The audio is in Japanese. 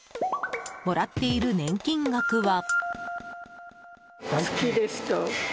もらっている年金額は。